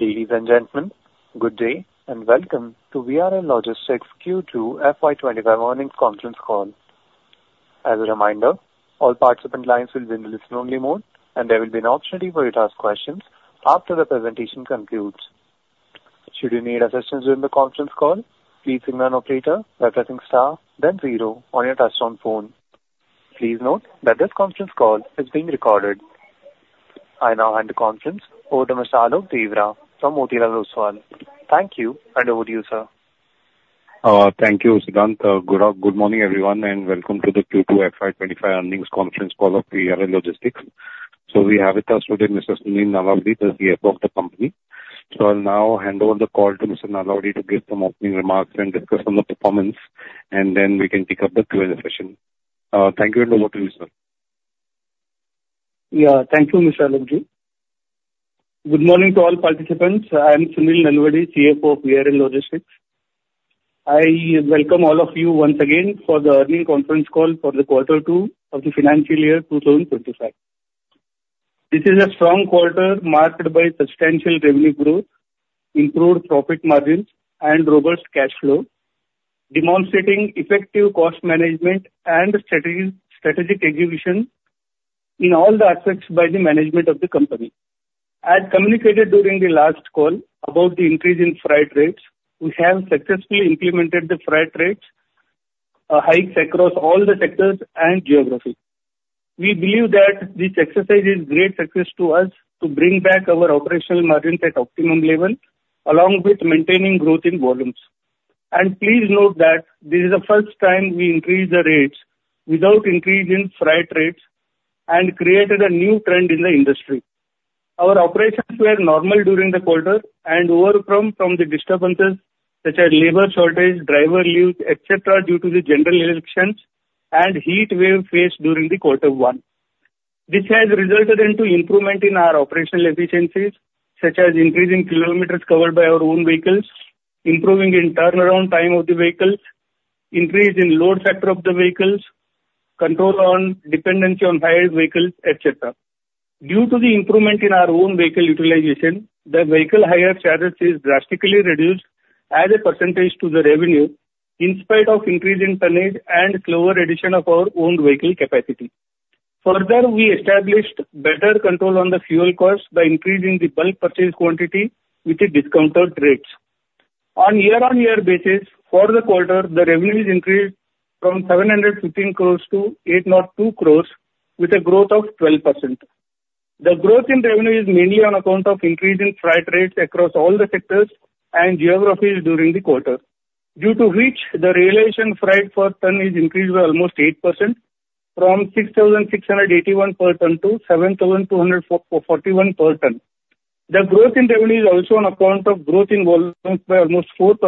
Ladies and gentlemen, good day and welcome to VRL Logistics Q2 FY25 Earnings Conference Call. As a reminder, all participant lines will be in listen-only mode, and there will be an option to revert to ask questions after the presentation concludes. Should you need assistance during the conference call, please signal an operator by pressing star, then zero on your touch-on phone. Please note that this conference call is being recorded. I now hand the conference over to Mr. Alok Deora from Motilal Oswal. Thank you, and over to you, sir. Thank you, Sudhant. Good morning, everyone, and welcome to the Q2 FY25 Earnings Conference Call of VRL Logistics. We have with us today Mr. Sunil Nalavadi, the CFO of the company. I'll now hand over the call to Mr. Nalavadi to give some opening remarks and discuss on the performance, and then we can kick off the Q&A session. Thank you, and over to you, sir. Yeah, thank you, Mr. Alok D. Good morning to all participants. I'm Sunil Nalavadi, CFO of VRL Logistics. I welcome all of you once again for the earnings conference call for the Q2 of the financial year 2025. This is a strong quarter marked by substantial revenue growth, improved profit margins, and robust cash flow, demonstrating effective cost management and strategic execution in all the aspects by the management of the company. As communicated during the last call about the increase in freight rates, we have successfully implemented the freight rates hikes across all the sectors and geography. We believe that this exercise is a great success to us to bring back our operational margins at optimum level, along with maintaining growth in volumes. And please note that this is the first time we increased the rates without increasing freight rates and created a new trend in the industry. Our operations were normal during the quarter and we overcame the disturbances such as labor shortage, driver leave, etc., due to the general elections and heat wave phase during the Q1. This has resulted in improvement in our operational efficiencies, such as increasing kilometers covered by our own vehicles, improving in turnaround time of the vehicles, increase in load factor of the vehicles, control on dependency on hired vehicles, etc. Due to the improvement in our own vehicle utilization, the vehicle hire charges is drastically reduced as a percentage to the revenue, in spite of increasing tonnage and slower addition of our own vehicle capacity. Further, we established better control on the fuel cost by increasing the bulk purchase quantity with the discounted rates. On a year-on-year basis, for the quarter, the revenue is increased from 715 crores to 802 crores, with a growth of 12%. The growth in revenue is mainly on account of increasing freight rates across all the sectors and geographies during the quarter, due to which the realization freight per ton is increased by almost 8% from 6,681 per ton to 7,241 per ton. The growth in revenue is also on account of growth in volumes by almost 4%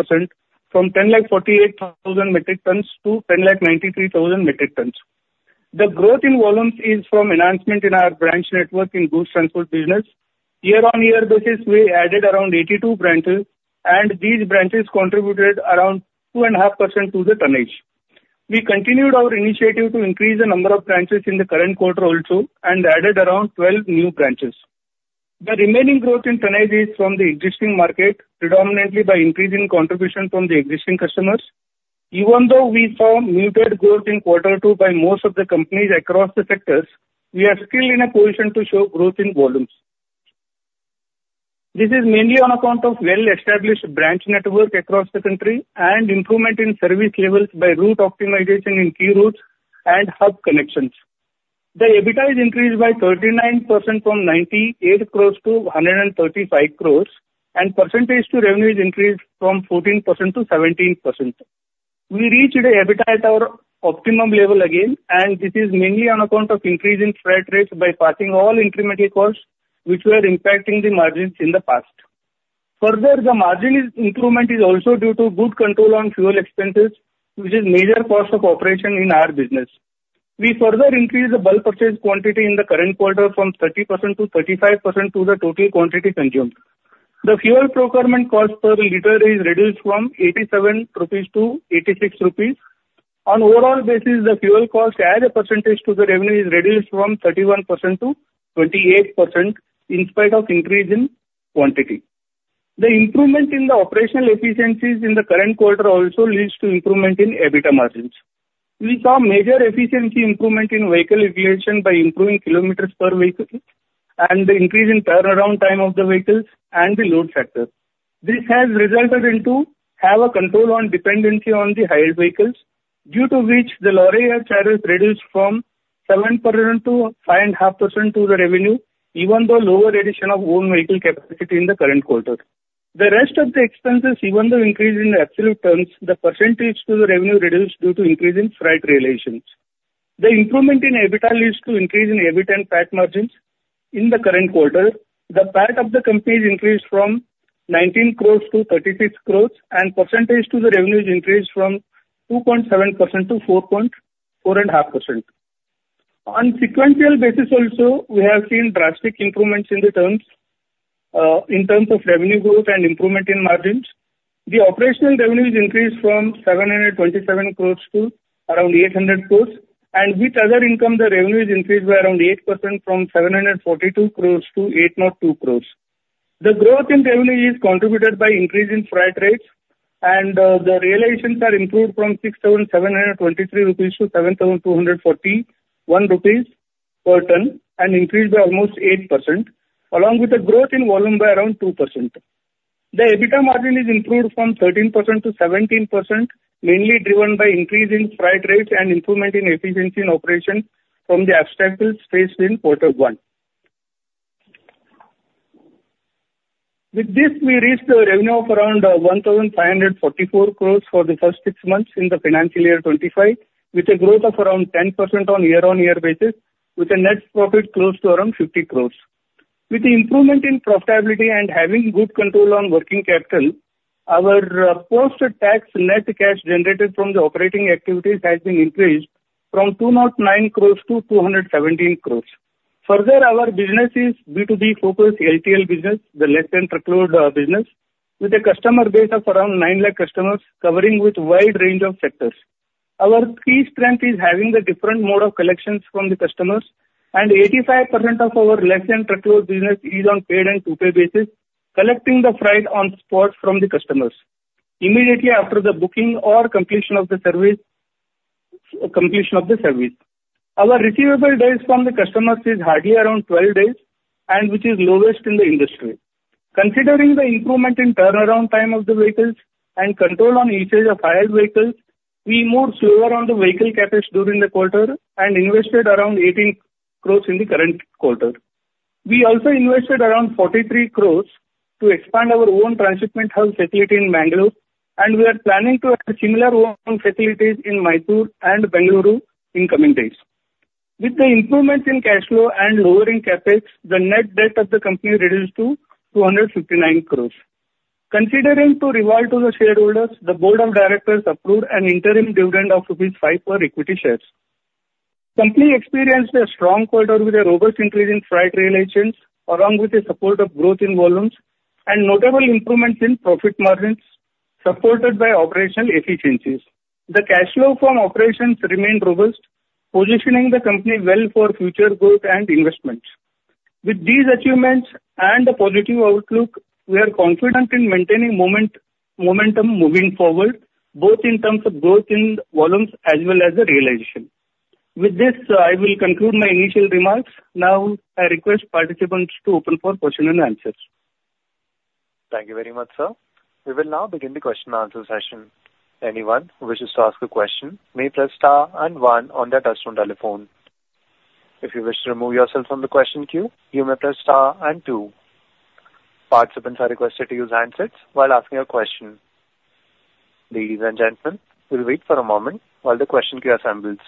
from 1,048,000 metric tons to 1,093,000 metric tons. The growth in volumes is from enhancement in our branch network in goods transport business. Year-on-year basis, we added around 82 branches, and these branches contributed around 2.5% to the tonnage. We continued our initiative to increase the number of branches in the current quarter also and added around 12 new branches. The remaining growth in tonnage is from the existing market, predominantly by increasing contribution from the existing customers. Even though we saw muted growth in Q2 by most of the companies across the sectors, we are still in a position to show growth in volumes. This is mainly on account of well-established branch network across the country and improvement in service levels by route optimization in key routes and hub connections. The EBITDA has increased by 39% from 98 crores to 135 crores, and percentage to revenue has increased from 14% to 17%. We reached EBITDA at our optimum level again, and this is mainly on account of increasing freight rates by passing all incremental costs which were impacting the margins in the past. Further, the margin improvement is also due to good control on fuel expenses, which is a major cost of operation in our business. We further increased the bulk purchase quantity in the current quarter from 30% to 35% to the total quantity consumed. The fuel procurement cost per liter is reduced from 87 rupees to 86 rupees. On an overall basis, the fuel cost as a percentage to the revenue is reduced from 31% to 28% in spite of increase in quantity. The improvement in the operational efficiencies in the current quarter also leads to improvement in EBITDA margins. We saw major efficiency improvement in vehicle utilization by improving kilometers per vehicle and the increase in turnaround time of the vehicles and the load factor. This has resulted in having a control on dependency on the hire vehicles, due to which the hire charges reduced from 7% to 5.5% to the revenue, even though lower addition of own vehicle capacity in the current quarter. The rest of the expenses, even though increased in absolute terms, the percentage to the revenue reduced due to increase in freight realizations. The improvement in EBITDA leads to increase in EBIT and PAT margins in the current quarter. The PAT of the company is increased from 19 crores to 36 crores, and percentage to the revenue is increased from 2.7% to 4.45%. On a sequential basis, also, we have seen drastic improvements in the terms of revenue growth and improvement in margins. The operational revenue has increased from 727 crores to around 800 crores, and with other income, the revenue has increased by around 8% from 742 crores to 802 crores. The growth in revenue is contributed by increase in freight rates, and the realizations are improved from 6,723 rupees to 7,241 rupees per ton and increased by almost 8%, along with a growth in volume by around 2%. The EBITDA margin is improved from 13% to 17%, mainly driven by increase in freight rates and improvement in efficiency in operation from the obstacles faced in quarter one. With this, we reached a revenue of around 1,544 crores for the first six months in the financial year 2025, with a growth of around 10% on a year-on-year basis, with a net profit close to around 50 crores. With the improvement in profitability and having good control on working capital, our post-tax net cash generated from the operating activities has been increased from 209 crores to 217 crores. Further, our business is B2B-focused LTL business, the less-than-truckload business, with a customer base of around 9 lakh customers covering a wide range of sectors. Our key strength is having a different mode of collections from the customers, and 85% of our LTL business is on paid and to-pay basis, collecting the freight on spot from the customers immediately after the booking or completion of the service. Our receivable days from the customers is hardly around 12 days, which is lowest in the industry. Considering the improvement in turnaround time of the vehicles and control on usage of hire vehicles, we moved slower on the vehicle Capex during the quarter and invested around 18 crores in the current quarter. We also invested around 43 crores to expand our own transshipment hub facility in Mangalore, and we are planning to add similar own facilities in Mysuru and Bengaluru in coming days. With the improvement in cash flow and lowering Capex, the net debt of the company reduced to 259 crores. Considering to return to the shareholders, the board of directors approved an interim dividend of Rs. 5 for equity shares. The company experienced a strong quarter with a robust increase in freight realizations, along with the support of growth in volumes and notable improvements in profit margins supported by operational efficiencies. The cash flow from operations remained robust, positioning the company well for future growth and investments. With these achievements and a positive outlook, we are confident in maintaining momentum moving forward, both in terms of growth in volumes as well as the realization. With this, I will conclude my initial remarks. Now, I request participants to open for questions and answers. Thank you very much, sir. We will now begin the question-and-answer session. Anyone who wishes to ask a question may press star and one on their touch-tone telephone. If you wish to remove yourself from the question queue, you may press star and two. Participants are requested to use handsets while asking a question. Ladies and gentlemen, we'll wait for a moment while the question queue assembles.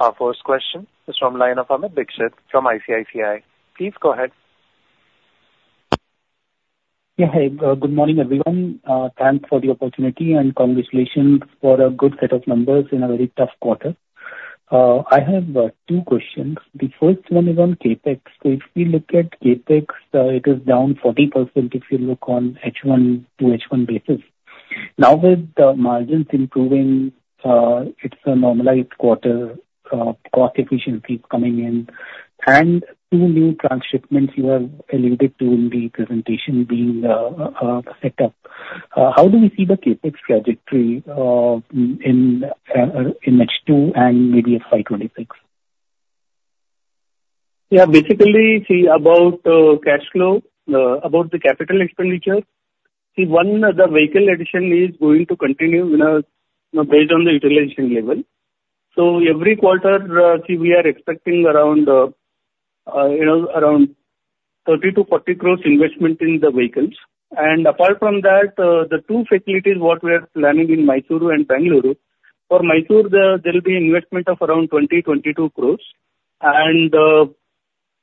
Our first question is from the line of Amit Dixit from ICICI. Please go ahead. Yeah, hey, good morning, everyone. Thanks for the opportunity and congratulations for a good set of numbers in a very tough quarter. I have two questions. The first one is on CapEx. So if we look at CapEx, it is down 40% if you look on H1 to H1 basis. Now, with the margins improving, it's a normalized quarter, cost efficiency is coming in, and two new transshipments you have alluded to in the presentation being set up. How do we see the CapEx trajectory in H2 and maybe FY26? Yeah, basically, see, about cash flow, about the capital expenditure, see, one, the vehicle addition is going to continue based on the utilization level. So every quarter, see, we are expecting around 30-40 crores investment in the vehicles. And apart from that, the two facilities what we are planning in Mysuru and Bengaluru, for Mysuru, there will be investment of around 20-22 crores. And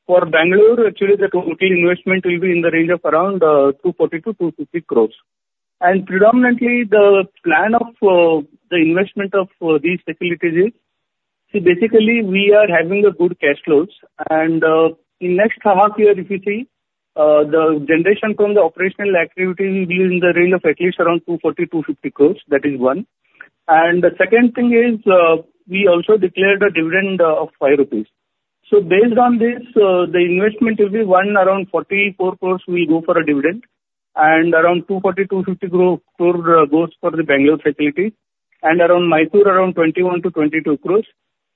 for Bengaluru, actually, the total investment will be in the range of around 240-250 crores. And predominantly, the plan of the investment of these facilities is, see, basically, we are having good cash flows. And in the next half year, if you see, the generation from the operational activity will be in the range of at least around 240-250 crores. That is one. And the second thing is we also declared a dividend of 5 rupees. So based on this, the investment will be around 44 crores will go for a dividend and around 240-250 crores goes for the Bengaluru facilities and around Mysuru, around 21-22 crores.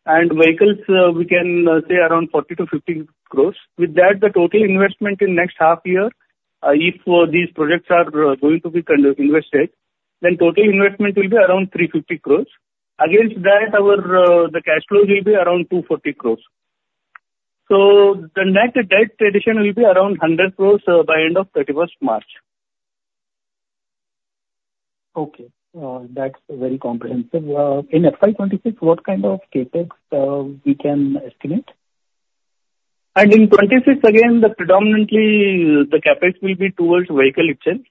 And vehicles, we can say around 40-50 crores. With that, the total investment in the next half year, if these projects are going to be invested, then total investment will be around 350 crores. Against that, the cash flow will be around 240 crores. So the net debt addition will be around 100 crores by the end of 31st March. Okay. That's very comprehensive. In FY26, what kind of Capex we can estimate? In 2026, again, predominantly, the CapEx will be towards vehicle itself.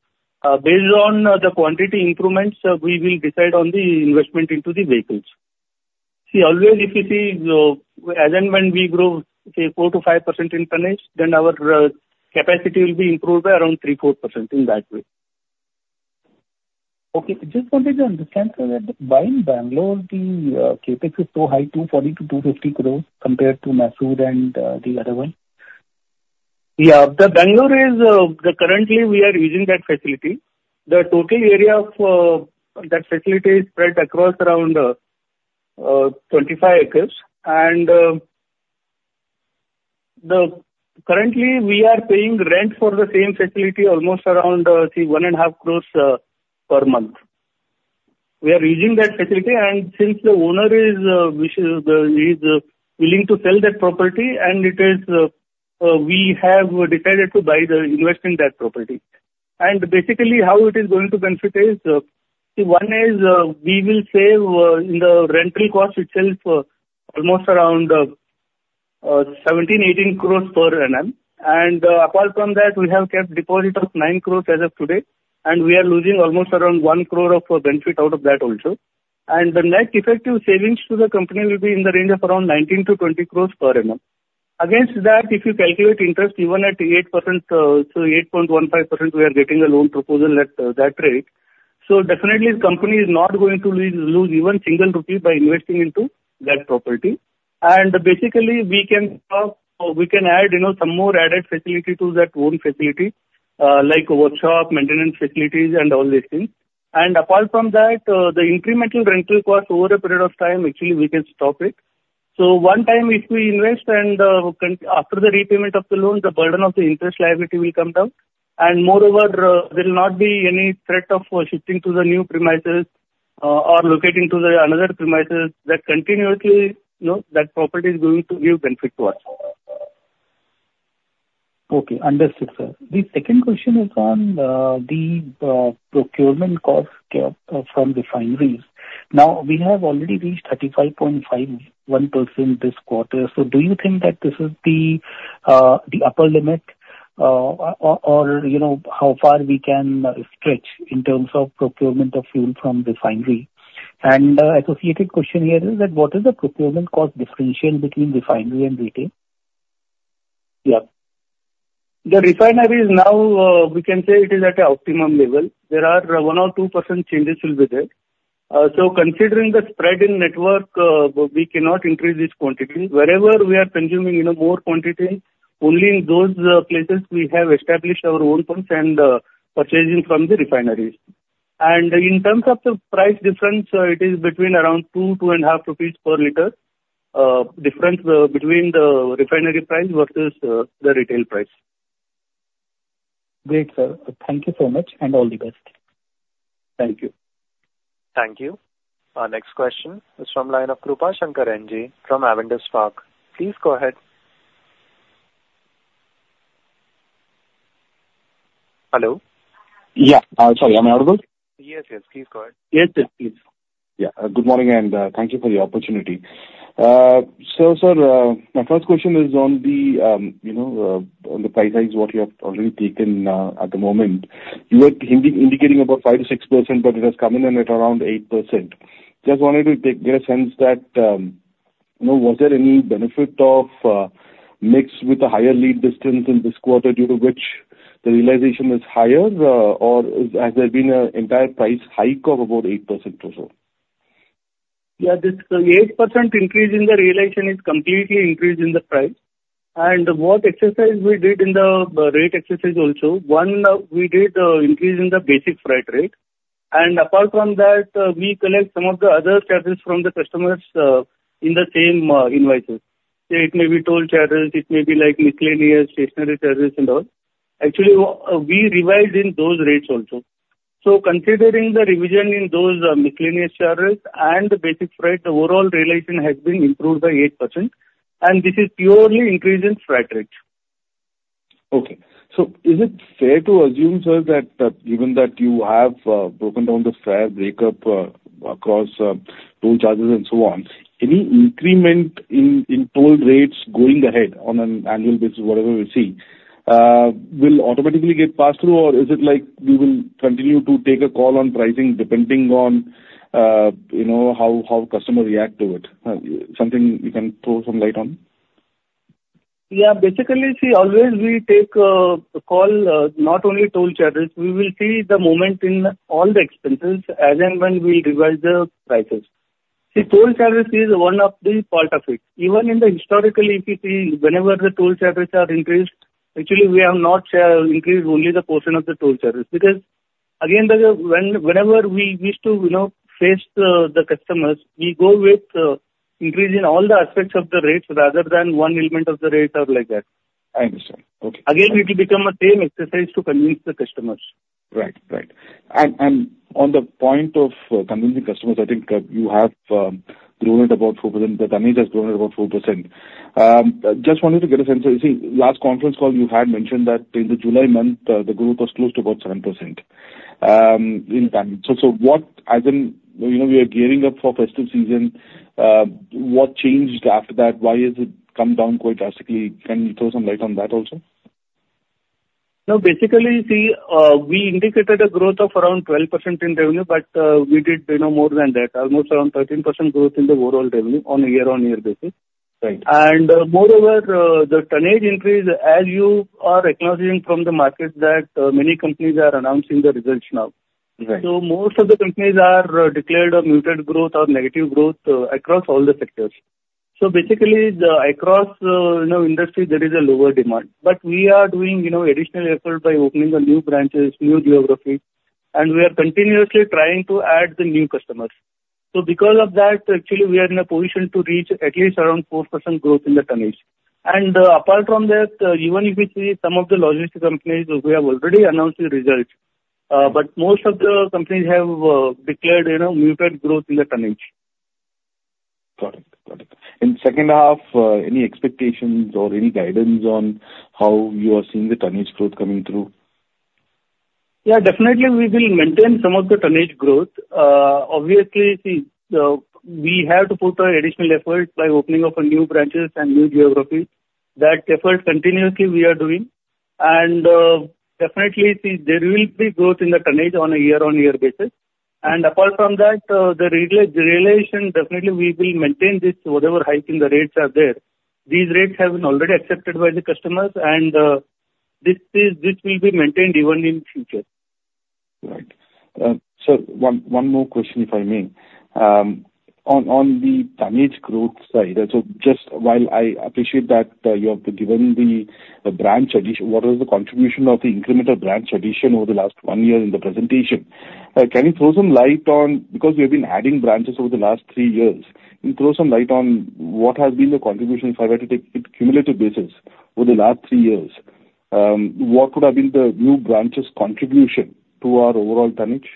Based on the quantity improvements, we will decide on the investment into the vehicles. See, always, if you see, as and when we grow, say, 4%-5% in tonnage, then our capacity will be improved by around 3%-4% in that way. Okay. Just wanted to understand, sir, that by Bengaluru, the CapEx is so high, 240-250 crores compared to Mysuru and the other one. Yeah, the Bengaluru facility, currently, we are using that facility. The total area of that facility is spread across around 25 acres. And currently, we are paying rent for the same facility almost around, see, 1.5 crores per month. We are using that facility, and since the owner is willing to sell that property, and we have decided to buy and invest in that property. And basically, how it is going to benefit is, see, one is we will save in the rental cost itself almost around 17-18 crores per annum. And apart from that, we have kept a deposit of 9 crores as of today, and we are losing almost around 1 crore of benefit out of that also. And the net effective savings to the company will be in the range of around 19 to 20 crores per annum. Against that, if you calculate interest, even at 8%, so 8.15%, we are getting a loan proposal at that rate. So definitely, the company is not going to lose even a single rupee by investing into that property. And basically, we can add some more added facility to that own facility, like workshop, maintenance facilities, and all these things. And apart from that, the incremental rental cost over a period of time, actually, we can stop it. So one time, if we invest and after the repayment of the loan, the burden of the interest liability will come down. And moreover, there will not be any threat of shifting to the new premises or locating to the another premises that continuously that property is going to give benefit to us. Okay. Understood, sir. The second question is on the procurement cost from refineries. Now, we have already reached 35.51% this quarter. So do you think that this is the upper limit or how far we can stretch in terms of procurement of fuel from refinery? And the associated question here is that what is the procurement cost differential between refinery and retail? Yeah. The refinery is now, we can say it is at an optimum level. There are one or two% changes with it. So considering the spread in network, we cannot increase this quantity. Wherever we are consuming more quantity, only in those places we have established our own points and purchasing from the refineries. And in terms of the price difference, it is between around 2 to 2.5 rupees per liter difference between the refinery price versus the retail price. Great, sir. Thank you so much and all the best. Thank you. Thank you. Our next question is from Krupashankar NJ from Avendus Spark. Please go ahead. Hello? Yeah. Sorry, am I audible? Yes, yes. Please go ahead. Yes, yes, please. Yeah. Good morning and thank you for the opportunity. So, sir, my first question is on the price hikes, what you have already taken at the moment. You were indicating about 5%-6%, but it has come in at around 8%. Just wanted to get a sense as to whether there was any benefit of mix with the higher lead distance in this quarter due to which the realization is higher, or has there been an entire price hike of about 8% or so? Yeah, this 8% increase in the realization is completely increased in the price. And what exercise we did in the rate exercise also, one, we did increase in the basic freight rate. And apart from that, we collect some of the other charges from the customers in the same invoices. It may be toll charges, it may be like miscellaneous stationery charges and all. Actually, we revised in those rates also. So considering the revision in those miscellaneous charges and the basic freight, the overall realization has been improved by 8%. And this is purely increase in freight rate. Okay. So is it fair to assume, sir, that given that you have broken down the freight break-up across toll charges and so on, any increment in toll rates going ahead on an annual basis, whatever we see, will automatically get passed through, or is it like we will continue to take a call on pricing depending on how customers react to it? Something you can throw some light on? Yeah. Basically, see, always we take a call, not only toll charges. We will see the movement in all the expenses as and when we revise the prices. See, toll charges is one of the part of it. Even in the historical, if you see, whenever the toll charges are increased, actually, we have not increased only the portion of the toll charges. Because again, whenever we have to face the customers, we go with increasing all the aspects of the rates rather than one element of the rate or like that. I understand. Okay. Again, it will become the same exercise to convince the customers. Right, right. And on the point of convincing customers, I think you have grown it about 4%. The tonnage has grown it about 4%. Just wanted to get a sense. You see, last conference call, you had mentioned that in the July month, the growth was close to about 7%. So as in we are gearing up for festive season, what changed after that? Why has it come down quite drastically? Can you throw some light on that also? No, basically, see, we indicated a growth of around 12% in revenue, but we did more than that, almost around 13% growth in the overall revenue on a year-on-year basis. And moreover, the tonnage increase, as you are acknowledging from the market that many companies are announcing the results now. So most of the companies are declared muted growth or negative growth across all the sectors. So basically, across industry, there is a lower demand. But we are doing additional effort by opening new branches, new geographies, and we are continuously trying to add the new customers. So because of that, actually, we are in a position to reach at least around 4% growth in the tonnage. And apart from that, even if you see some of the logistics companies, we have already announced the results, but most of the companies have declared muted growth in the tonnage. Got it. Got it. In the second half, any expectations or any guidance on how you are seeing the tonnage growth coming through? Yeah, definitely, we will maintain some of the tonnage growth. Obviously, see, we have to put our additional effort by opening new branches and new geographies. That effort continuously we are doing. And definitely, see, there will be growth in the tonnage on a year-on-year basis. And apart from that, the realization, definitely, we will maintain this whatever hike in the rates are there. These rates have been already accepted by the customers, and this will be maintained even in the future. Right. So one more question, if I may. On the tonnage growth side, so just while I appreciate that you have given the branch addition, what was the contribution of the incremental branch addition over the last one year in the presentation? Can you throw some light on, because we have been adding branches over the last three years, can you throw some light on what has been the contribution if I were to take it cumulative basis over the last three years? What would have been the new branches' contribution to our overall tonnage?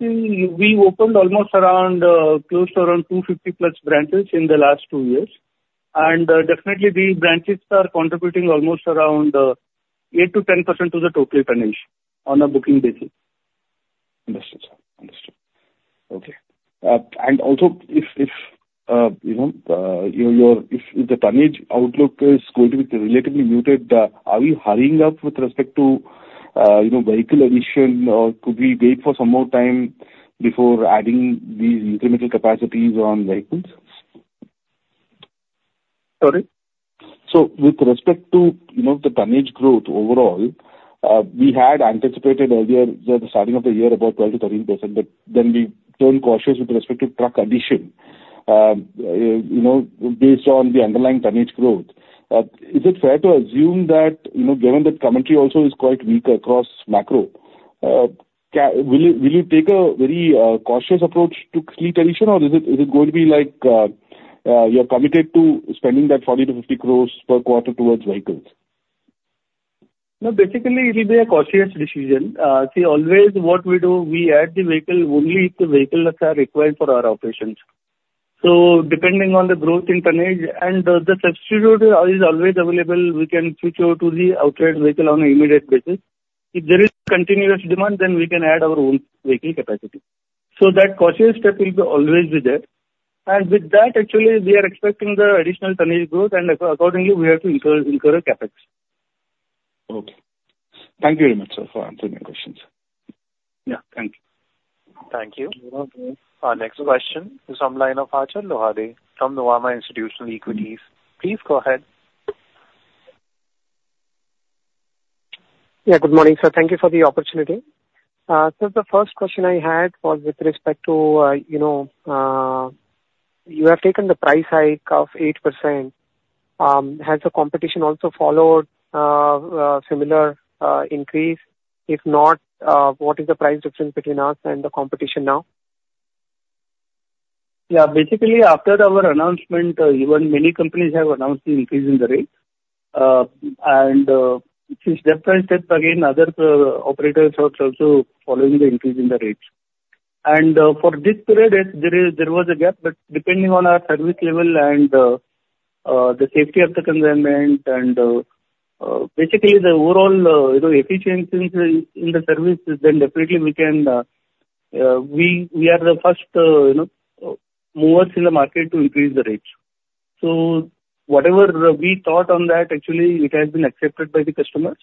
We opened almost around close to around 250-plus branches in the last two years. And definitely, these branches are contributing almost around 8%-10% of the total tonnage on a booking basis. Understood, sir. Understood. Okay. And also, if the tonnage outlook is going to be relatively muted, are we hurrying up with respect to vehicle addition, or could we wait for some more time before adding these incremental capacities on vehicles? Sorry? With respect to the tonnage growth overall, we had anticipated earlier at the starting of the year about 12%-13%, but then we turned cautious with respect to truck addition based on the underlying tonnage growth. Is it fair to assume that given that commentary also is quite weak across macro, will you take a very cautious approach to fleet addition, or is it going to be like you're committed to spending that 40-50 crores per quarter towards vehicles? No, basically, it will be a cautious decision. See, always what we do, we add the vehicle only if the vehicles are required for our operations. So depending on the growth in tonnage and the substitute is always available, we can switch over to the outright vehicle on an immediate basis. If there is continuous demand, then we can add our own vehicle capacity. So that cautious step will be always with that. And with that, actually, we are expecting the additional tonnage growth, and accordingly, we have to incur a Capex. Okay. Thank you very much, sir, for answering my questions. Yeah, thank you. Thank you. Our next question is from Achal Lohade from Nuvama Institutional Equities. Please go ahead. Yeah, good morning, sir. Thank you for the opportunity. Sir, the first question I had was with respect to you have taken the price hike of 8%. Has the competition also followed a similar increase? If not, what is the price difference between us and the competition now? Yeah, basically, after our announcement, even many companies have announced the increase in the rate, and since that time step, again, other operators are also following the increase in the rates, and for this period, there was a gap, but depending on our service level and the safety of the consignment, and basically, the overall efficiency in the service, then definitely we are the first movers in the market to increase the rate, so whatever we thought on that, actually, it has been accepted by the customers,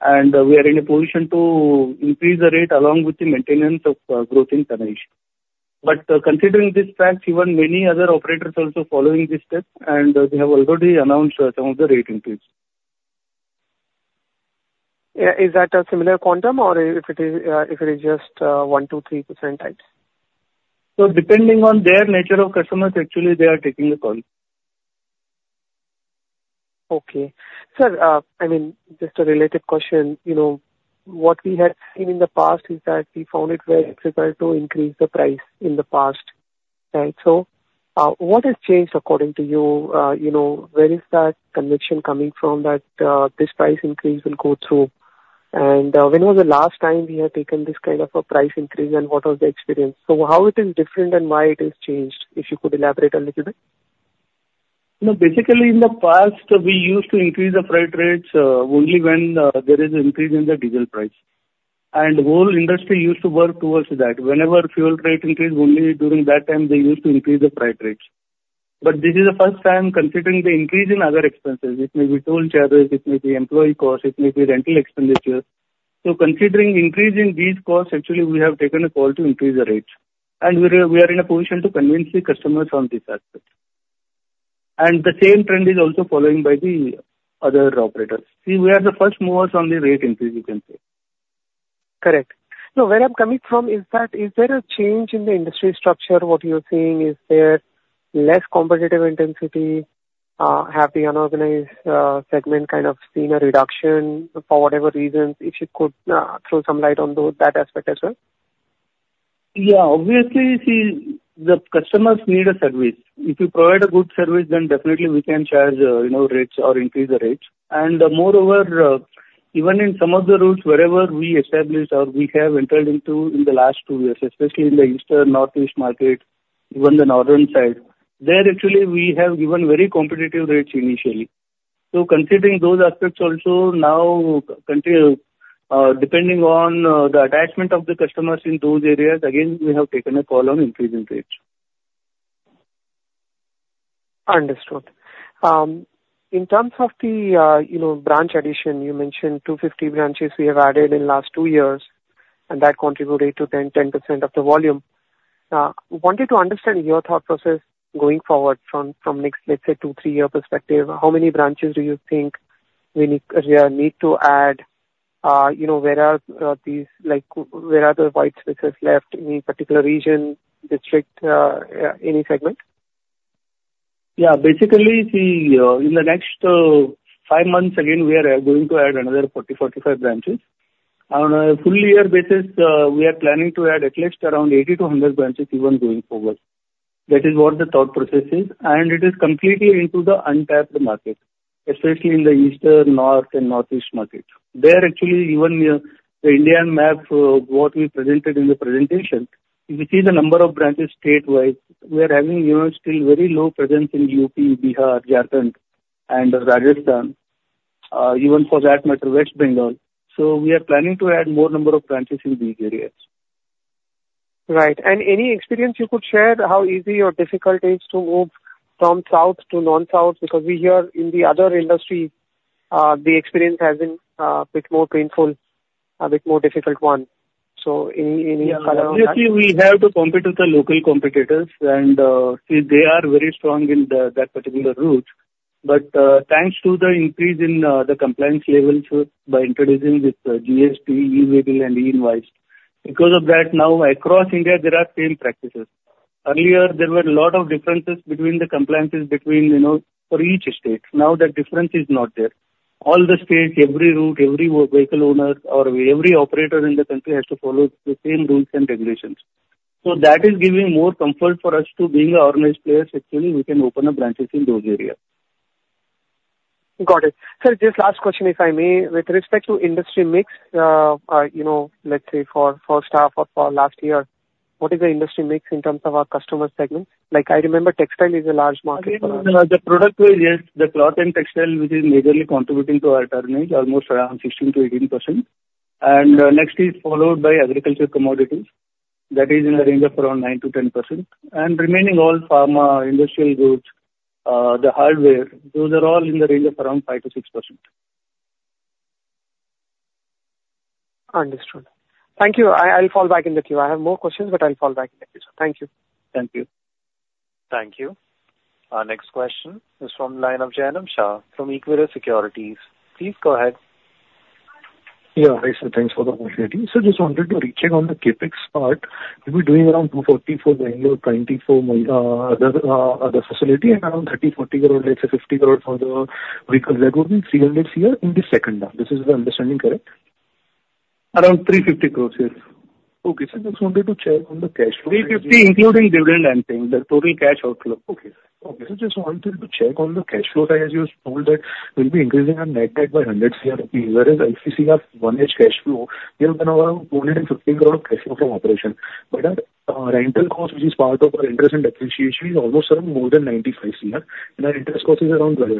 and we are in a position to increase the rate along with the maintenance of growth in tonnage, but considering this fact, even many other operators are also following this step, and they have already announced some of the rate increase. Is that a similar quantum, or if it is just one, two, three % types? Depending on their nature of customers, actually, they are taking the call. Okay. Sir, I mean, just a related question. What we had seen in the past is that we found it very difficult to increase the price in the past. So what has changed according to you? Where is that conviction coming from that this price increase will go through? And when was the last time we had taken this kind of a price increase, and what was the experience? So how it is different and why it has changed, if you could elaborate a little bit? Basically, in the past, we used to increase the freight rates only when there is an increase in the diesel price, and the whole industry used to work towards that. Whenever fuel rate increased, only during that time, they used to increase the freight rates, but this is the first time considering the increase in other expenses. It may be toll charges, it may be employee costs, it may be rental expenditures, so considering increasing these costs, actually, we have taken a call to increase the rates, and we are in a position to convince the customers on this aspect, and the same trend is also following by the other operators. See, we are the first movers on the rate increase, you can say. Correct. So where I'm coming from, in fact, is there a change in the industry structure? What you're seeing, is there less competitive intensity? Have the unorganized segment kind of seen a reduction for whatever reasons? If you could throw some light on that aspect as well. Yeah. Obviously, see, the customers need a service. If you provide a good service, then definitely we can charge rates or increase the rates. And moreover, even in some of the routes wherever we established or we have entered into in the last two years, especially in the eastern, northeast market, even the northern side, there actually we have given very competitive rates initially. So considering those aspects also, now depending on the attachment of the customers in those areas, again, we have taken a call on increasing rates. Understood. In terms of the branch addition, you mentioned 250 branches we have added in the last two years, and that contributed to 10% of the volume. Wanted to understand your thought process going forward from, let's say, two- to three-year perspective. How many branches do you think we need to add? Where are the white spaces left? Any particular region, district, any segment? Yeah. Basically, see, in the next five months, again, we are going to add another 40-45 branches. On a full-year basis, we are planning to add at least around 80-100 branches even going forward. That is what the thought process is, and it is completely into the untapped market, especially in the eastern, north, and northeast market. There actually, even the Indian map, what we presented in the presentation, if you see the number of branches statewide, we are having still very low presence in UP, Bihar, Jharkhand, and Rajasthan, even for that matter, West Bengal, so we are planning to add more number of branches in these areas. Right. And any experience you could share? How easy or difficult it is to move from south to non-south? Because we hear in the other industry, the experience has been a bit more painful, a bit more difficult one. So any follow-up? Obviously, we have to compete with the local competitors. And see, they are very strong in that particular route. But thanks to the increase in the compliance levels by introducing this GST, e-way bill, and e-invoice, because of that, now across India, there are same practices. Earlier, there were a lot of differences between the compliances for each state. Now that difference is not there. All the states, every route, every vehicle owner, or every operator in the country has to follow the same rules and regulations. So that is giving more comfort for us to being an organized player. Actually, we can open up branches in those areas. Got it. Sir, just last question, if I may. With respect to industry mix, let's say for staff or for last year, what is the industry mix in terms of our customer segments? I remember textile is a large market for us. The product-wise, yes. The cloth and textile which is majorly contributing to our turnover, almost around 16%-18%. Next is followed by agriculture commodities. That is in the range of around 9%-10%. Remaining all pharma industrial goods, the hardware, those are all in the range of around 5%-6%. Understood. Thank you. I'll fall back in the queue. I have more questions, but I'll fall back in the queue. So thank you. Thank you. Thank you. Our next question is from line of Jainam Shah from Equirus Securities. Please go ahead. Yeah, hi sir. Thanks for the opportunity. Sir, just wanted to recheck on the CapEx part. We'll be doing around 240 for the FY24 other facility and around 30-40 crore, let's say 50 crore for the vehicles. That would be 300 crore in the second term. This is the understanding, correct? Around 350 crores, yes. Okay. Sir, just wanted to check on the cash flow. 350 including dividend and things, the total cash outflow. Okay. Sir, just wanted to check on the cash flow. As you told that, we'll be increasing our net debt by 100 CR, whereas our 1H cash flow, we have done around 215 crore of cash flow from operation, but our rental cost, which is part of our interest and depreciation, is almost around more than 95 CR, and our interest cost is around 12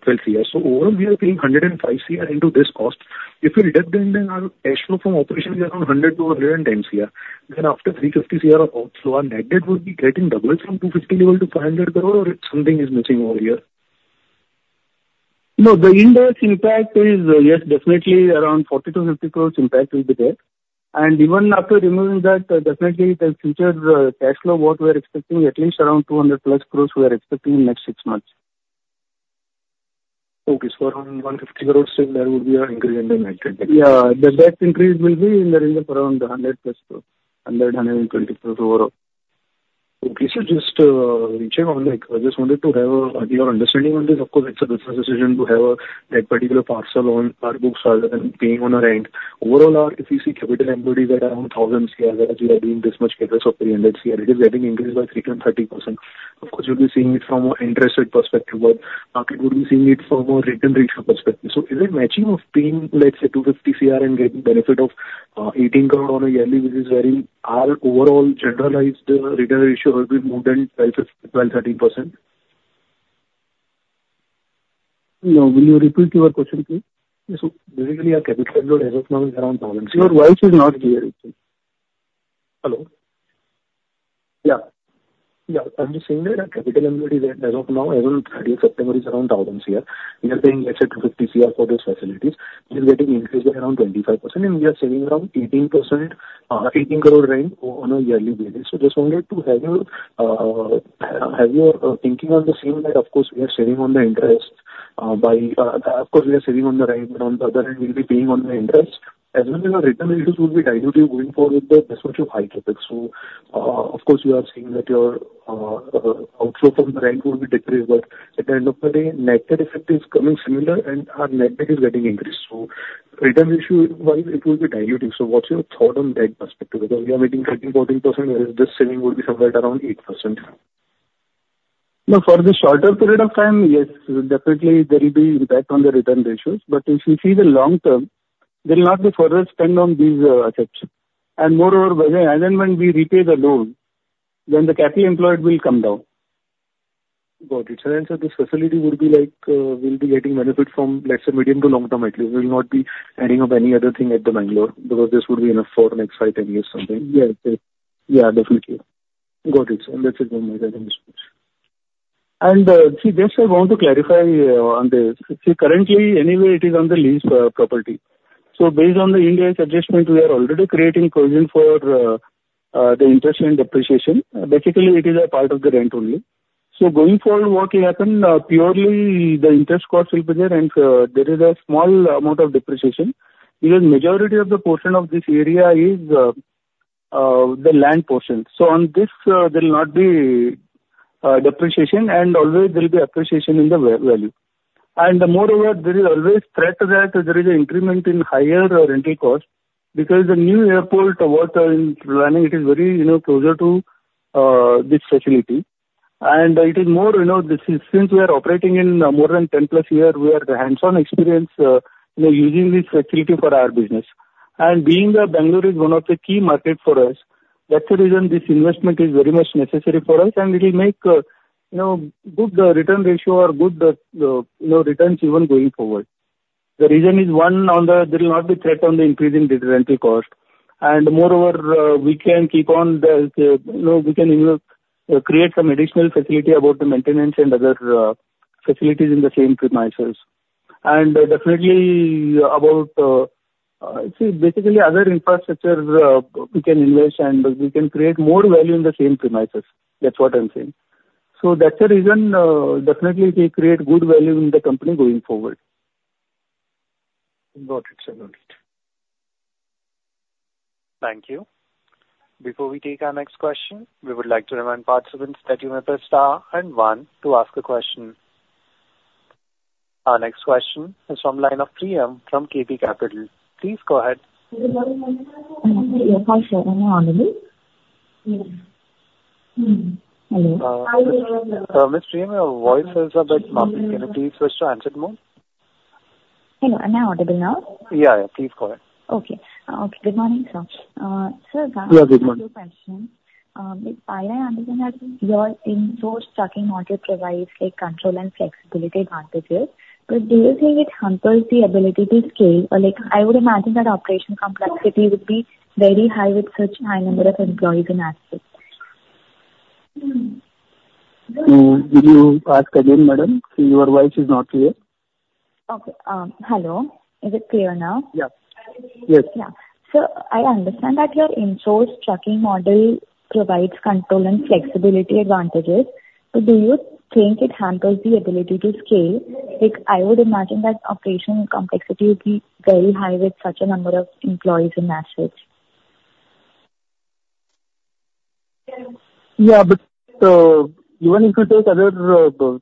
CR, so overall, we are paying 105 CR into this cost. If you deduct them, then our cash flow from operation is around 100-110 CR, then after 350 CR of outflow, our net debt would be getting doubled from 250 level to 500 crore, or something is missing over here? No, the indirect impact is, yes, definitely around 40-50 crores impact will be there, and even after removing that, definitely the future cash flow, what we are expecting, at least around 200+ crores we are expecting in the next six months. Okay. So around 150 crores still there would be an increase in the net debt? Yeah. The net increase will be in the range of around 100 plus crores, INR 100-INR 120 crores overall. Okay. So just reaching out on, I just wanted to have your understanding on this. Of course, it's a business decision to have that particular parcel on our books rather than paying on our end. Overall, if you see capital employed at around 1,000 CR, as you are doing this much cash flow of 300 CR, it is getting increased by 330%. Of course, you'll be seeing it from an investment perspective, but market would be seeing it from a return ratio perspective. So is it matching of paying, let's say, 250 CR and getting benefit of 18 crore on a yearly, which is way above our overall generalized return ratio would be more than 12%-13%? No. Will you repeat your question, please? Yes. So basically, our capital employed as of now is around 1,000 CR. Your voice is not clear, actually. Hello? Yeah. Yeah. I'm just saying that our capital employed as of now, as of September, is around Rs 1,000 crore. We are paying, let's say, Rs 250 crore for those facilities. We are getting increased by around 25%, and we are saving around Rs 18 crore rent on a yearly basis. So just wanted to have your thinking on the same, that of course we are saving on the interest. Of course, we are saving on the rent, but on the other hand, we'll be paying on the interest. As long as our return ratios will be diluted, we'll be going forward with this much of high CapEx. So, of course, you are seeing that your outflow from the rent will be decreased, but at the end of the day, net debt effect is coming similar, and our net debt is getting increased. Return ratio-wise, it will be diluted. So what's your thought on that perspective? Because we are making 13%-14%, whereas this saving would be somewhere around 8%. Now, for the shorter period of time, yes, definitely there will be impact on the return ratios. But if you see the long term, there will not be further spend on these assets. And moreover, as and when we repay the loan, then the capital employed will come down. Got it. To answer this question. So there be like we'll be getting benefit from, let's say, medium to long term at least. We will not be adding up any other thing at the Mangalore because this would be enough for next five, 10 years, something? Yes. Yes. Yeah, definitely. Got it, and that's it from my side on this question. See, just I want to clarify on this. See, currently, anyway, it is on the lease property. So based on the Ind AS adjustment, we are already creating provision for the interest and depreciation. Basically, it is a part of the rent only. So going forward, what will happen? Purely the interest cost will be there, and there is a small amount of depreciation because the majority of the portion of this area is the land portion. So on this, there will not be depreciation, and always there will be appreciation in the value. And moreover, there is always threat that there is an increment in higher rental cost because the new airport, what I'm planning, it is very closer to this facility. And it is more since we are operating in more than 10 plus years, we are the hands-on experience using this facility for our business. And being that Mangalore is one of the key markets for us, that's the reason this investment is very much necessary for us, and it will make good return ratio or good returns even going forward. The reason is one, there will not be threat on the increasing rental cost. And moreover, we can create some additional facility about the maintenance and other facilities in the same premises. And definitely about, see, basically other infrastructure we can invest and we can create more value in the same premises. That's what I'm saying. So that's the reason, definitely we create good value in the company going forward. Got it. I got it. Thank you. Before we take our next question, we would like to remind participants that you may press star and one to ask a question. Our next question is from Priyam from KC Capital. Please go ahead. Hello. Hello. Ms. Priyam, your voice is a bit muffled. Can you please switch to the handset? Hello. Am I audible now? Yeah. Yeah. Please go ahead. Okay. Good morning, sir. Yeah. Good morning. If I understand that your in-store stocking model provides control and flexibility advantages, but do you think it hampers the ability to scale? I would imagine that operation complexity would be very high with such high number of employees in action. Can you ask again, madam? See, your voice is not clear. Okay. Hello. Is it clear now? Yes. Yes. Yeah. So I understand that your in-store stocking model provides control and flexibility advantages. But do you think it hampers the ability to scale? I would imagine that operation complexity would be very high with such a number of employees in that state. Yeah. But even if you take other for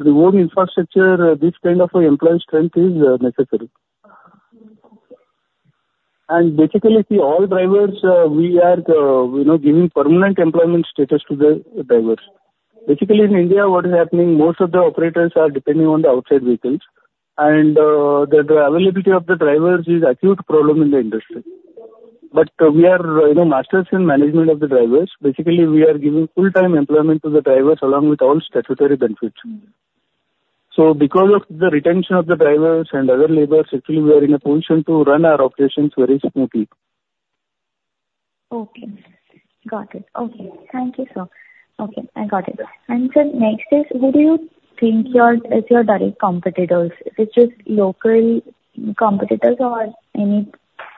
the whole infrastructure, this kind of employee strength is necessary. And basically, see, all drivers, we are giving permanent employment status to the drivers. Basically, in India, what is happening, most of the operators are depending on the outside vehicles. And the availability of the drivers is an acute problem in the industry. But we are masters in management of the drivers. Basically, we are giving full-time employment to the drivers along with all statutory benefits. So because of the retention of the drivers and other laborers, actually, we are in a position to run our operations very smoothly. Okay. Got it. Okay. Thank you, sir. Okay. I got it. And sir, next is, who do you think is your direct competitors? Is it just local competitors or any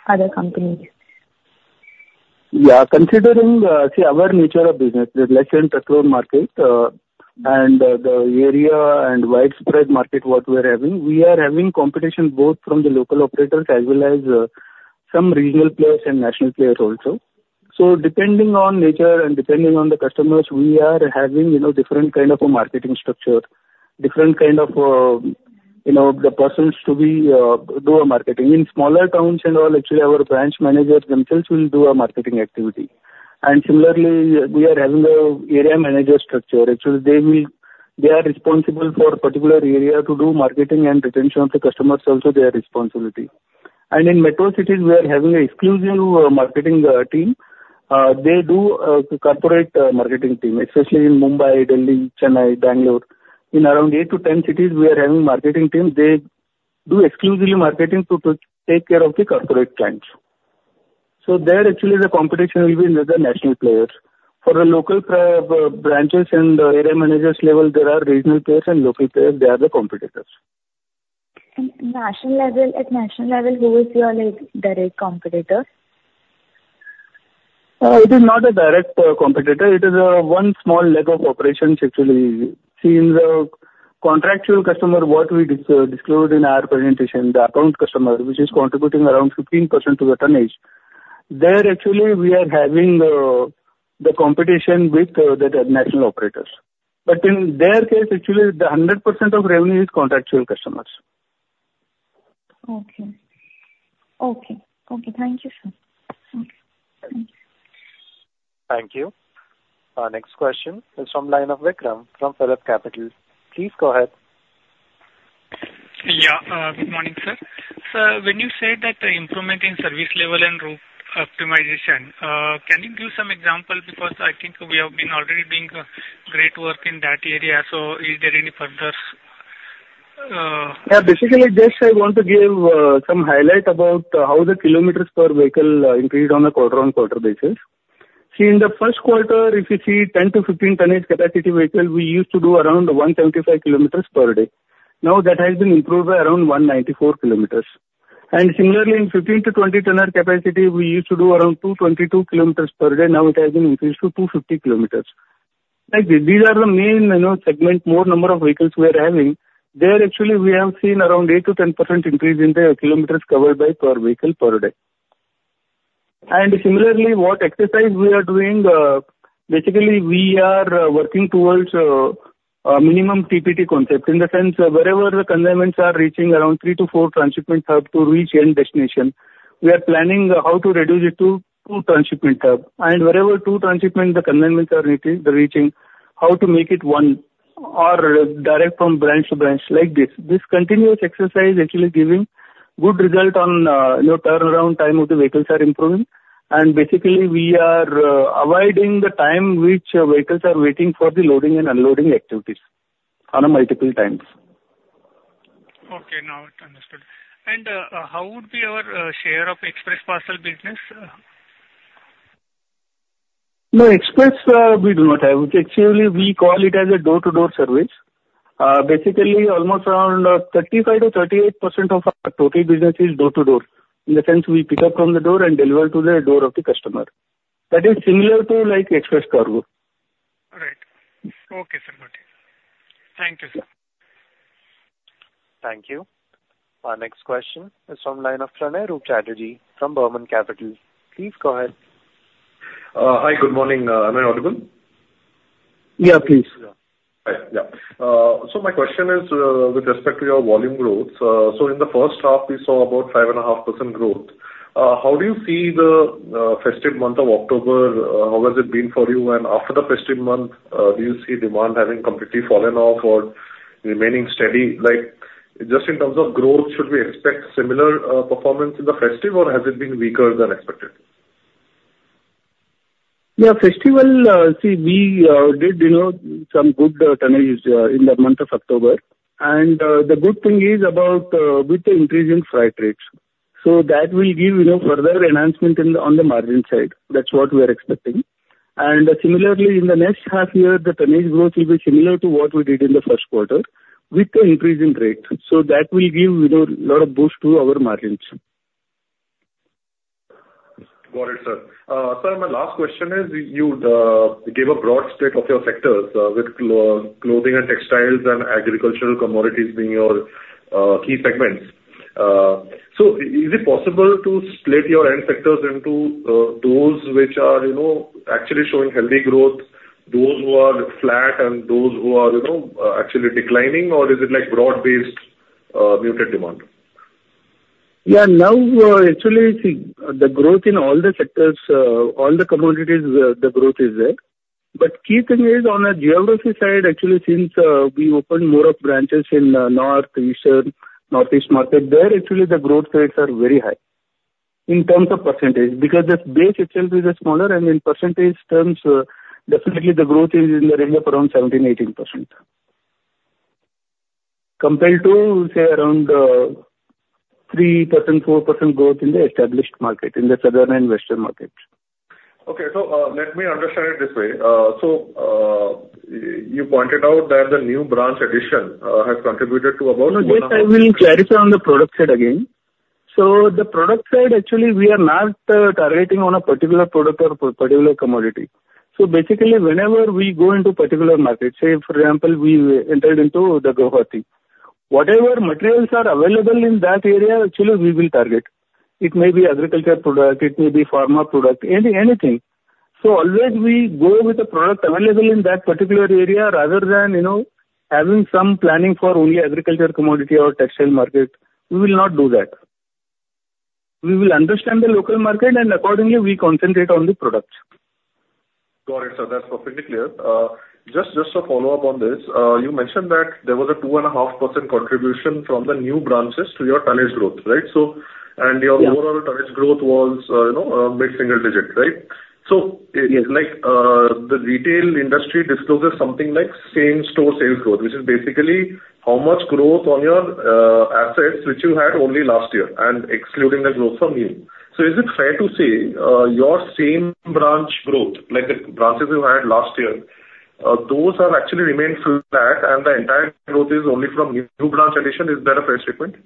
other companies? Yeah. Considering, see, our nature of business, let's say in petrol market and the area and widespread market what we are having, we are having competition both from the local operators as well as some regional players and national players also. So depending on nature and depending on the customers, we are having different kind of a marketing structure, different kind of the persons to do marketing. In smaller towns and all, actually, our branch managers themselves will do marketing activity. And similarly, we are having an area manager structure. Actually, they are responsible for a particular area to do marketing and retention of the customers also, their responsibility. And in metro cities, we are having an exclusive marketing team. They do a corporate marketing team, especially in Mumbai, Delhi, Chennai, Bangalore. In around eight to 10 cities, we are having marketing teams. They do exclusive marketing to take care of the corporate clients. So there, actually, the competition will be with the national players. For the local branches and area managers level, there are regional players and local players. They are the competitors. At national level, who is your direct competitor? It is not a direct competitor. It is one small leg of operations, actually. See, in the contractual customer, what we disclosed in our presentation, the account customer, which is contributing around 15% to the turnover, there actually we are having the competition with the national operators. But in their case, actually, the 100% of revenue is contractual customers. Okay. Okay. Okay. Thank you, sir. Okay. Thank you. Thank you. Our next question is from the line of Vikram from PhillipCapital. Please go ahead. Yeah. Good morning, sir. Sir, when you said that the improvement in service level and route optimization, can you give some example because I think we have been already doing great work in that area? So is there any further? Yeah. Basically, just I want to give some highlight about how the kilometers per vehicle increased on a quarter-on-quarter basis. See, in the Q1, if you see 10 to 15-tonnage capacity vehicle, we used to do around 175 km per day. Now that has been improved by around 194 km. And similarly, in 15 to 20-tonnage capacity, we used to do around 222 km per day. Now it has been increased to 250 km. These are the main segment, more number of vehicles we are having. There, actually, we have seen around 8 to 10% increase in the kilometers covered by per vehicle per day. And similarly, what exercise we are doing, basically, we are working towards a minimum TPT concept in the sense wherever the consignments are reaching around three to four transshipment hubs to reach end destination. We are planning how to reduce it to two transshipment hubs. And wherever two transshipment, the conveyor belts are reaching, how to make it one or direct from branch to branch like this. This continuous exercise is actually giving good result on turnaround time of the vehicles are improving. And basically, we are avoiding the time which vehicles are waiting for the loading and unloading activities on multiple times. Okay. Now I understood. And how would be our share of express parcel business? No, express we do not have. Actually, we call it as a door-to-door service. Basically, almost around 35%-38% of our total business is door-to-door in the sense we pick up from the door and deliver to the door of the customer. That is similar to express cargo. All right. Okay, sir. Got it. Thank you, sir. Thank you. Our next question is from line of Pranay Roop Chatterjee from Burman Capital. Please go ahead. Hi. Good morning. Am I audible? Yeah, please. So my question is with respect to your volume growth. So in the first half, we saw about 5.5% growth. How do you see the festive month of October? How has it been for you? And after the festive month, do you see demand having completely fallen off or remaining steady? Just in terms of growth, should we expect similar performance in the festive, or has it been weaker than expected? Yeah. Festival, see, we did some good turnovers in the month of October, and the good thing is about with the increase in freight rates, so that will give further enhancement on the margin side. That's what we are expecting. And similarly, in the next half year, the turnovers growth will be similar to what we did in the Q1 with the increase in rates, so that will give a lot of boost to our margins. Got it, sir. Sir, my last question is you gave a broad split of your sectors with clothing and textiles and agricultural commodities being your key segments, so is it possible to split your end sectors into those which are actually showing healthy growth, those who are flat, and those who are actually declining, or is it broad-based muted demand? Yeah. Now, actually, see, the growth in all the sectors, all the commodities, the growth is there, but key thing is on the geography side, actually, since we opened more of branches in north, eastern, northeast market, there, actually, the growth rates are very high in terms of percentage because the base itself is smaller, and in percentage terms, definitely the growth is in the range of around 17-18% compared to, say, around 3-4% growth in the established market, in the southern and western market. Okay. So let me understand it this way. So you pointed out that the new branch addition has contributed to about. No, wait. I will clarify on the product side again. So the product side, actually, we are not targeting on a particular product or particular commodity. So basically, whenever we go into particular market, say, for example, we entered into the Guwahati, whatever materials are available in that area, actually, we will target. It may be agriculture product. It may be pharma product, anything. So always we go with the product available in that particular area rather than having some planning for only agriculture commodity or textile market. We will not do that. We will understand the local market, and accordingly, we concentrate on the products. Got it, sir. That's perfectly clear. Just to follow up on this, you mentioned that there was a 2.5% contribution from the new branches to your turnovers growth, right? And your overall turnovers growth was mid-single digit, right? So the retail industry discloses something like same-store sales growth, which is basically how much growth on your assets, which you had only last year, and excluding the growth from new. So is it fair to say your same branch growth, the branches you had last year, those have actually remained flat, and the entire growth is only from new branch addition, is that a fair statement?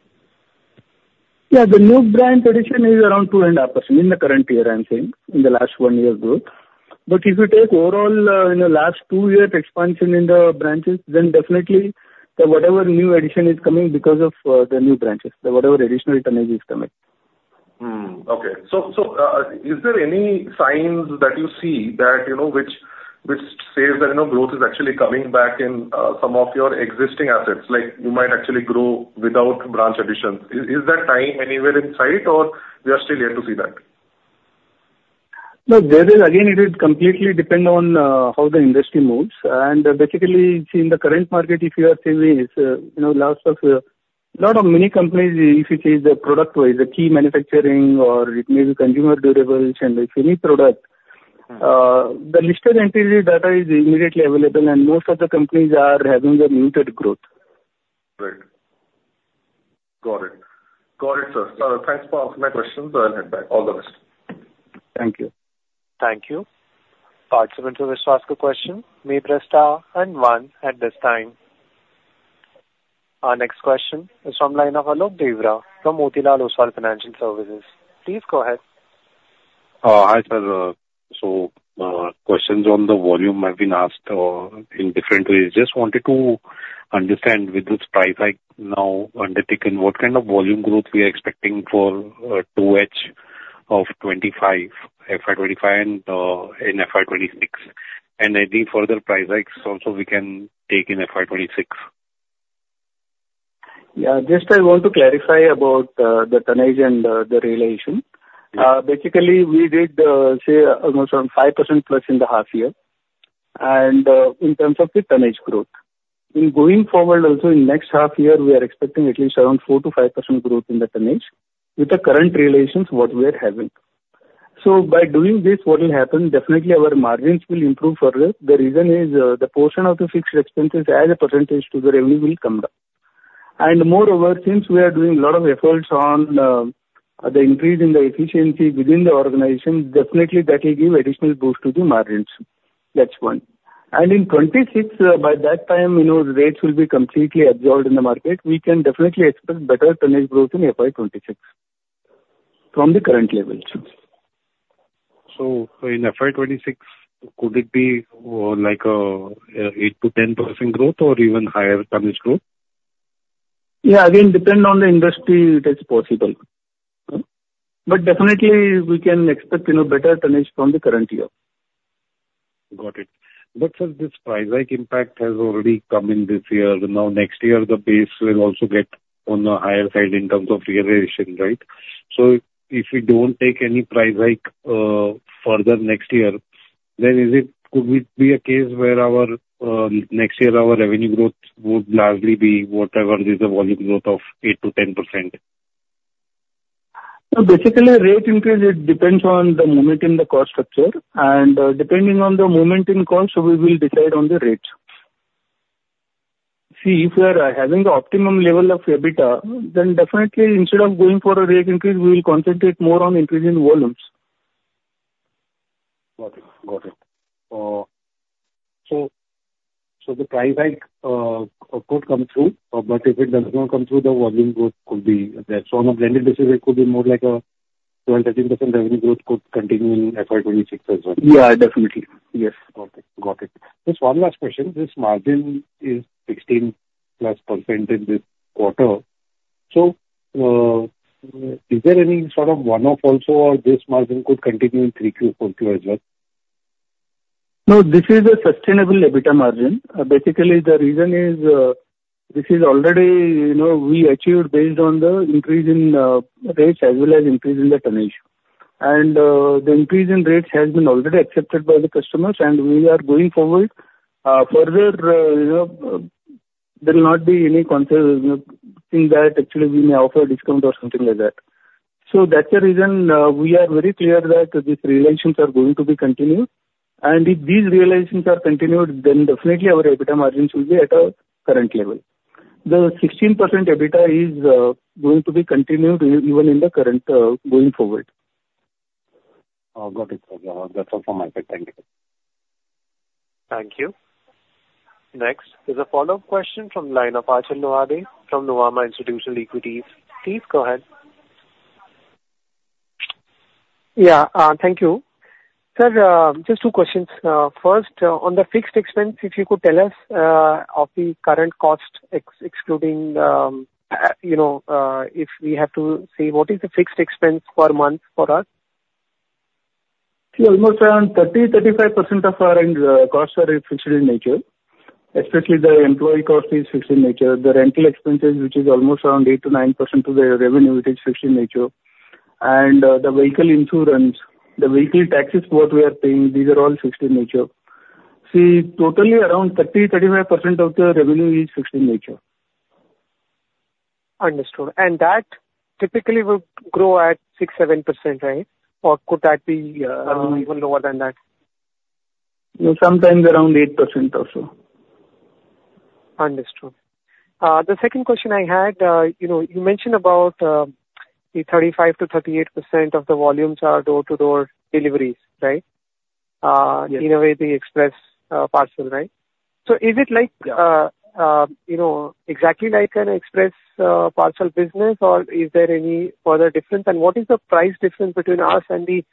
Yeah. The new branch addition is around 2.5% in the current year, I'm saying, in the last one year growth. But if you take overall last two-year expansion in the branches, then definitely whatever new addition is coming because of the new branches, whatever additional turnovers are coming. Okay. So is there any signs that you see which says that growth is actually coming back in some of your existing assets? You might actually grow without branch additions. Is that time anywhere in sight, or we are still yet to see that? No, there is. Again, it will completely depend on how the industry moves. And basically, see, in the current market, if you are seeing a lot of many companies, if you see the product-wise, the key manufacturing or maybe consumer durables and the semi-product, the listed entity data is immediately available, and most of the companies are having a muted growth. Right. Got it. Got it, sir. Thanks for answering my questions. I'll hand back. All the best. Thank you. Thank you. Participants who wish to ask a question may press star and one at this time. Our next question is from line of Alok Deora from Motilal Oswal Financial Services. Please go ahead. Hi, sir. So questions on the volume have been asked in different ways. Just wanted to understand with this price hike now undertaken, what kind of volume growth we are expecting for 2H of 25, FY25 and FY26? And any further price hikes also we can take in FY26? Yeah. Just I want to clarify about the turnover and the realization. Basically, we did say almost around 5% plus in the half year. And in terms of the turnover growth, going forward also in next half year, we are expecting at least around 4-5% growth in the turnover with the current realizations what we are having. So by doing this, what will happen? Definitely, our margins will improve further. The reason is the portion of the fixed expenses as a percentage to the revenue will come down. And moreover, since we are doing a lot of efforts on the increase in the efficiency within the organization, definitely that will give additional boost to the margins. That's one. And in 26, by that time, rates will be completely absorbed in the market. We can definitely expect better turnover growth in FY26 from the current levels. In FY26, could it be like 8%-10% growth or even higher turnovers growth? Yeah. Again, depending on the industry, it is possible. But definitely, we can expect better turnovers from the current year. Got it. But sir, this price hike impact has already come in this year. Now next year, the base will also get on the higher side in terms of realization, right? So if we don't take any price hike further next year, then could it be a case where next year our revenue growth would largely be whatever is the volume growth of 8%-10%? So basically, rate increase, it depends on the movement in the cost structure. And depending on the movement in cost, we will decide on the rates. See, if we are having the optimum level of EBITDA, then definitely, instead of going for a rate increase, we will concentrate more on increasing volumes. Got it. Got it. So the price hike could come through, but if it does not come through, the volume growth could be less. So on a blended basis, it could be more like a 12%-13% revenue growth could continue in FY26 as well. Yeah, definitely. Yes. Okay. Got it. Just one last question. This margin is 16% in this quarter. So is there any sort of one-off also, or this margin could continue in 3Q, 4Q as well? No, this is a sustainable EBITDA margin. Basically, the reason is this is already we achieved based on the increase in rates as well as increase in the turnovers. And the increase in rates has been already accepted by the customers, and we are going forward further. There will not be anything that actually we may offer a discount or something like that. So that's the reason we are very clear that these realizations are going to be continued. And if these realizations are continued, then definitely our EBITDA margins will be at a current level. The 16% EBITDA is going to be continued even in the current going forward. Got it, sir. That's all from my side. Thank you. Thank you. Next is a follow-up question from Achal Lohade from Nuvama Institutional Equities. Please go ahead. Yeah. Thank you. Sir, just two questions. First, on the fixed expense, if you could tell us of the current cost, excluding if we have to say what is the fixed expense per month for us. See, almost around 30-35% of our costs are fixed in nature, especially the employee cost is fixed in nature. The rental expenses, which is almost around 8-9% of the revenue, it is fixed in nature, and the vehicle insurance, the vehicle taxes what we are paying, these are all fixed in nature. See, totally around 30-35% of the revenue is fixed in nature. Understood. And that typically would grow at six-seven%, right? Or could that be even lower than that? Sometimes around 8% also. Understood. The second question I had, you mentioned about the 35%-38% of the volumes are door-to-door deliveries, right? Yes. In a way, the express parcel, right? So is it exactly like an express parcel business, or is there any further difference? And what is the price difference between us and the,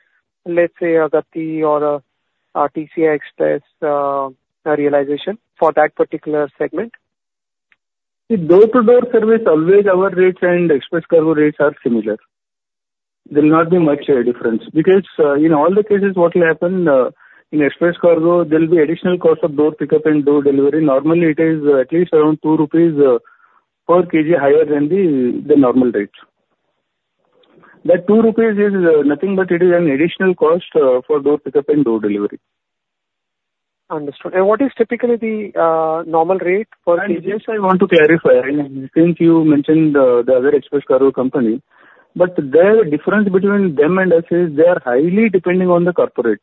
let's say, Gati or TCI Express realization for that particular segment? See, door-to-door service always our rates and express cargo rates are similar. There will not be much difference because in all the cases what will happen in express cargo, there will be additional cost of door pickup and door delivery. Normally, it is at least around 2 rupees per kg higher than the normal rate. That 2 rupees is nothing, but it is an additional cost for door pickup and door delivery. Understood. And what is typically the normal rate per kg? I just want to clarify. I think you mentioned the other express cargo company, but the difference between them and us is they are highly depending on the corporate.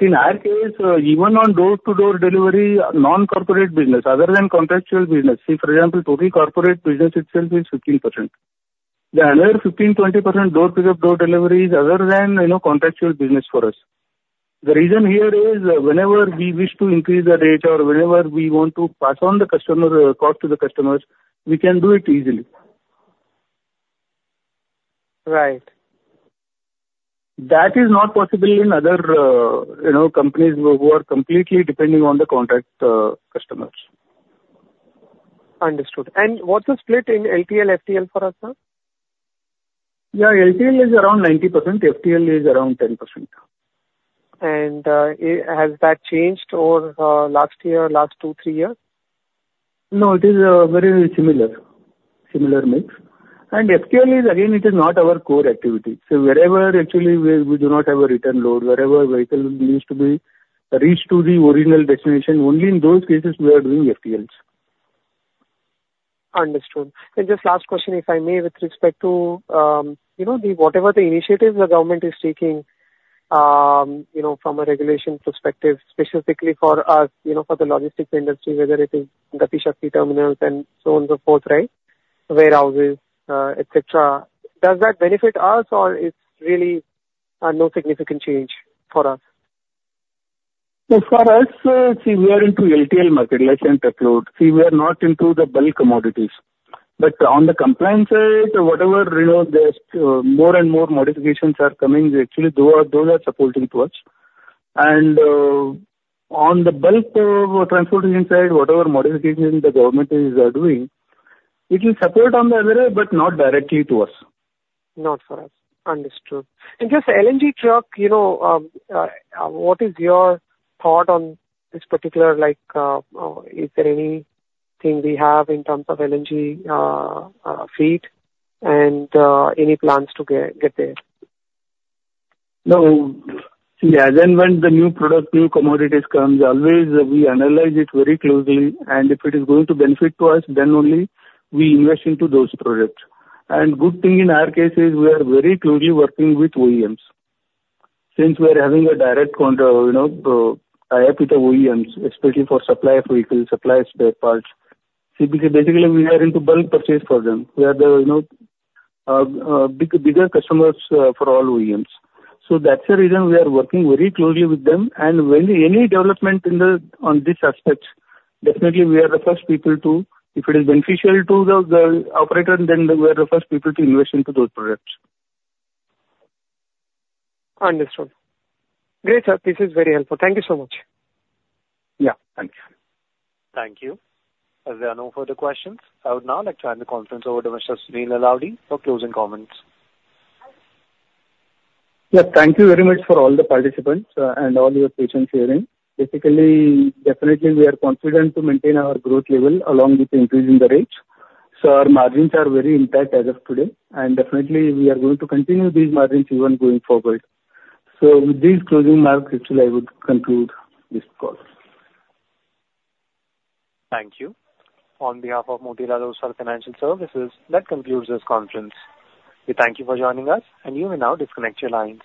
In our case, even on door-to-door delivery, non-corporate business, other than contractual business, see, for example, totally corporate business itself is 15%. The other 15-20% door pickup, door delivery is other than contractual business for us. The reason here is whenever we wish to increase the rate or whenever we want to pass on the cost to the customers, we can do it easily. Right. That is not possible in other companies who are completely depending on the contract customers. Understood. And what's the split in LTL, FTL for us, sir? Yeah. LTL is around 90%. FTL is around 10%. Has that changed over last year, last two, three years? No, it is very similar. Similar mix. And FTL is, again, it is not our core activity. So wherever actually we do not have a return load, wherever vehicle needs to be reached to the original destination, only in those cases we are doing FTLs. Understood. And just last question, if I may, with respect to whatever the initiatives the government is taking from a regulation perspective, specifically for us, for the logistics industry, whether it is Gati Shakti terminals and so on and so forth, right? Warehouses, etc. Does that benefit us, or it's really no significant change for us? For us, see, we are into LTL market, let's say, and truckload. See, we are not into the bulk commodities. But on the compliance side, whatever more and more modifications are coming, actually, those are supporting to us. And on the bulk transportation side, whatever modifications the government is doing, it will support on the other end, but not directly to us. Not for us. Understood. And just LNG truck, what is your thought on this particular? Is there anything we have in terms of LNG fleet and any plans to get there? No. Yeah. Then when the new product, new commodities comes, always we analyze it very closely. And if it is going to benefit to us, then only we invest into those products. And good thing in our case is we are very closely working with OEMs since we are having a direct contact with OEMs, especially for supply of vehicles, supply of spare parts. Basically, we are into bulk purchase for them. We are the bigger customers for all OEMs. So that's the reason we are working very closely with them. And when any development on this aspect, definitely we are the first people to, if it is beneficial to the operator, then we are the first people to invest into those products. Understood. Great, sir. This is very helpful. Thank you so much. Yeah. Thanks. Thank you. If there are no further questions, I would now like to hand the conference over to Mr. Sunil Nalavadi for closing comments. Yeah. Thank you very much for all the participants and all your patience here. Basically, definitely we are confident to maintain our growth level along with increasing the rates. So our margins are very intact as of today. And definitely, we are going to continue these margins even going forward. So with these closing remarks, actually, I would conclude this call. Thank you. On behalf of Motilal Oswal Financial Services, that concludes this conference. We thank you for joining us, and you may now disconnect your lines.